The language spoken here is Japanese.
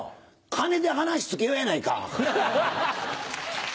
金で話つけようやないか。